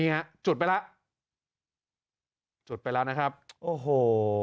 ฮะจุดไปแล้วจุดไปแล้วนะครับโอ้โห